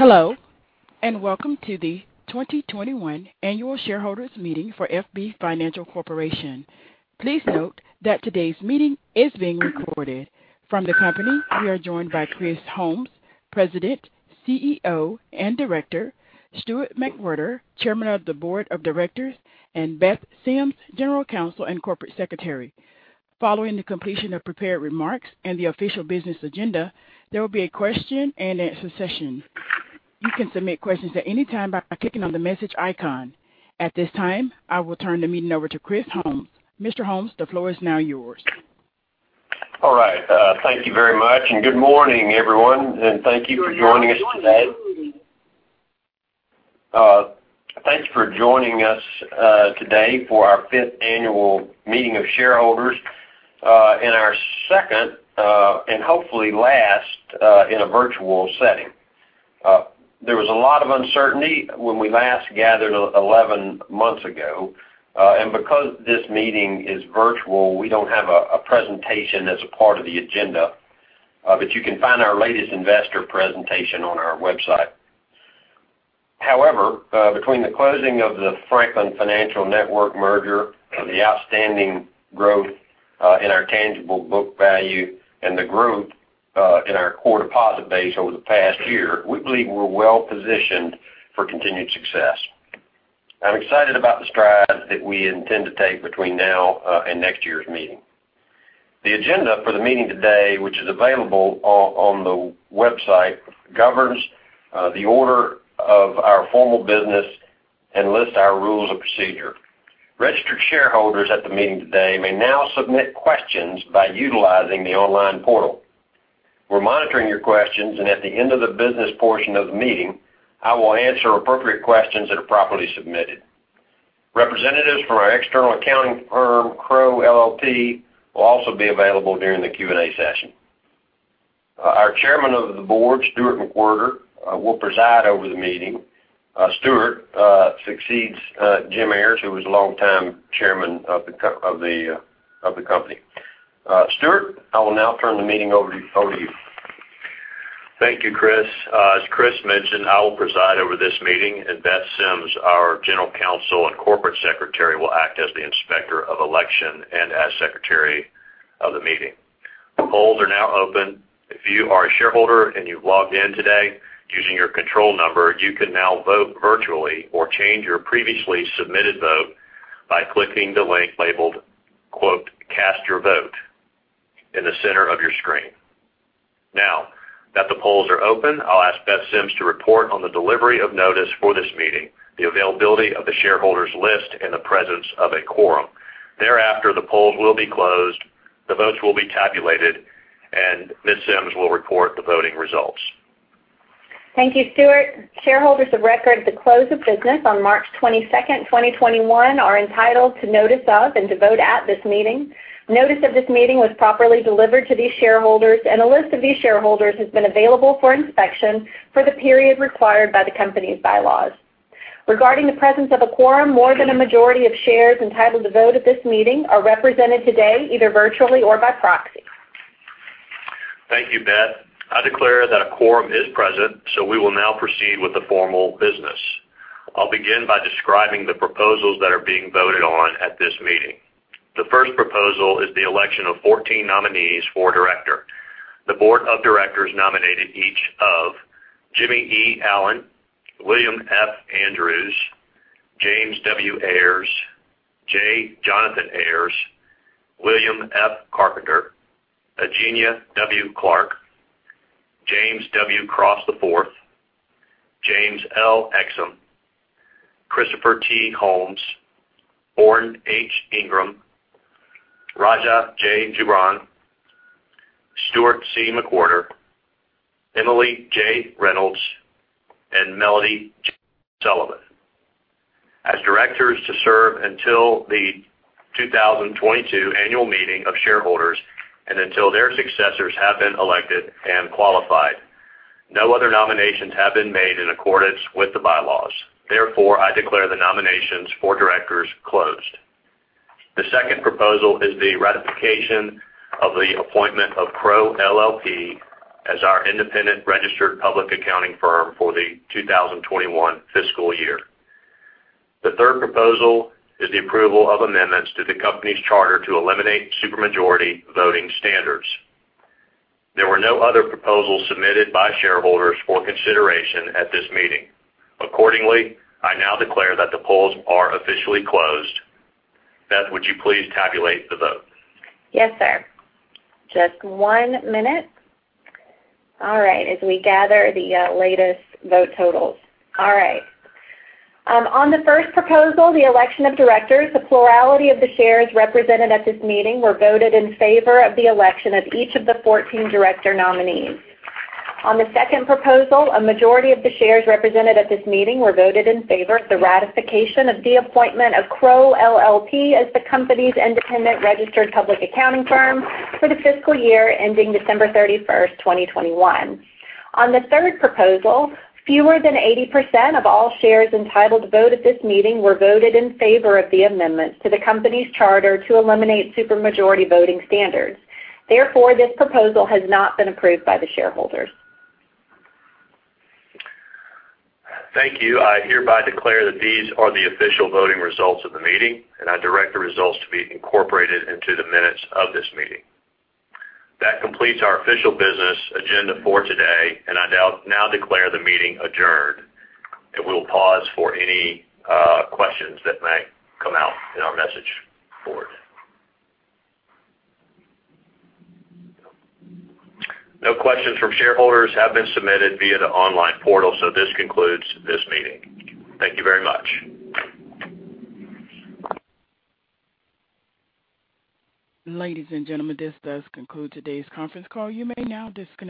Hello, and welcome to the 2021 Annual Shareholders Meeting for FB Financial Corporation. Please note that today's meeting is being recorded. From the company, we are joined by Chris Holmes, President, CEO, and Director, Stuart McWhorter, Chairman of the Board of Directors, and Beth Sims, General Counsel and Corporate Secretary. Following the completion of prepared remarks and the official business agenda, there will be a question and answer session. You can submit questions at any time by clicking on the message icon. At this time, I will turn the meeting over to Chris Holmes. Mr. Holmes, the floor is now yours. All right. Thank you very much, and good morning, everyone. Good morning. Thank you for joining us today. Thanks for joining us today for our fifth annual meeting of shareholders, and our second, and hopefully last, in a virtual setting. There was a lot of uncertainty when we last gathered 11 months ago. Because this meeting is virtual, we don't have a presentation as a part of the agenda. You can find our latest investor presentation on our website. However, between the closing of the Franklin Financial Network merger, the outstanding growth in our tangible book value, and the growth in our core deposit base over the past year, we believe we're well-positioned for continued success. I'm excited about the strides that we intend to take between now and next year's meeting. The agenda for the meeting today, which is available on the website, governs the order of our formal business and lists our rules of procedure. Registered shareholders at the meeting today may now submit questions by utilizing the online portal. We're monitoring your questions, and at the end of the business portion of the meeting, I will answer appropriate questions that are properly submitted. Representatives from our external accounting firm, Crowe LLP, will also be available during the Q&A session. Our Chairman of the Board, Stuart McWhorter, will preside over the meeting. Stuart succeeds Jim Ayers, who was longtime Chairman of the Company. Stuart, I will now turn the meeting over to you. Thank you, Chris. As Chris mentioned, I will preside over this meeting, and Beth Sims, our General Counsel and Corporate Secretary, will act as the inspector of election and as secretary of the meeting. The polls are now open. If you are a shareholder and you've logged in today using your control number, you can now vote virtually or change your previously submitted vote by clicking the link labeled "Cast your vote" in the center of your screen. Now that the polls are open, I'll ask Beth Sims to report on the delivery of notice for this meeting, the availability of the shareholders list, and the presence of a quorum. Thereafter, the polls will be closed, the votes will be tabulated, and Ms. Sims will report the voting results Thank you, Stuart. Shareholders of record at the close of business on March 22nd, 2021, are entitled to notice of and to vote at this meeting. Notice of this meeting was properly delivered to these shareholders, and a list of these shareholders has been available for inspection for the period required by the company's bylaws. Regarding the presence of a quorum, more than a majority of shares entitled to vote at this meeting are represented today, either virtually or by proxy. Thank you, Beth. I declare that a quorum is present. We will now proceed with the formal business. I'll begin by describing the proposals that are being voted on at this meeting. The first proposal is the election of 14 nominees for director. The board of directors nominated each of Jimmy E. Allen, William F. Andrews, Jim Ayers, J. Jonathan Ayers, William F. Carpenter III, Agenia W. Clark, James W. Cross IV, James L. Exum, Chris Holmes, Orrin H. Ingram, Raja J. Jubran, Stuart McWhorter, Emily J. Reynolds, and Melody J. Sullivan as directors to serve until the 2022 annual meeting of shareholders and until their successors have been elected and qualified. No other nominations have been made in accordance with the bylaws. I declare the nominations for directors closed. The second proposal is the ratification of the appointment of Crowe LLP as our independent registered public accounting firm for the 2021 fiscal year. The third proposal is the approval of amendments to the company's charter to eliminate supermajority voting standards. There were no other proposals submitted by shareholders for consideration at this meeting. Accordingly, I now declare that the polls are officially closed. Beth, would you please tabulate the votes? Yes, sir. Just one minute. All right. As we gather the latest vote totals. All right. On the first proposal, the election of directors, the plurality of the shares represented at this meeting were voted in favor of the election of each of the 14 director nominees. On the second proposal, a majority of the shares represented at this meeting were voted in favor of the ratification of the appointment of Crowe LLP as the company's independent registered public accounting firm for the fiscal year ending December 31st, 2021. On the third proposal, fewer than 80% of all shares entitled to vote at this meeting were voted in favor of the amendment to the company's charter to eliminate supermajority voting standards. Therefore, this proposal has not been approved by the shareholders. Thank you. I hereby declare that these are the official voting results of the meeting, and I direct the results to be incorporated into the minutes of this meeting. That completes our official business agenda for today, and I now declare the meeting adjourned. We'll pause for any questions that might come out in our message board. No questions from shareholders have been submitted via the online portal, so this concludes this meeting. Thank you very much. Ladies and gentlemen, this does conclude today's conference call. You may now disconnect.